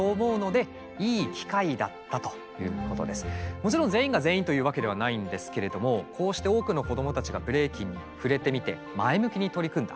もちろん全員が全員というわけではないんですけれどもこうして多くの子どもたちがブレイキンに触れてみて前向きに取り組んだ。